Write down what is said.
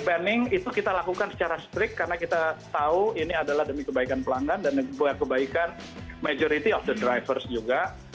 banning itu kita lakukan secara strict karena kita tahu ini adalah demi kebaikan pelanggan dan kebaikan majority of the drivers juga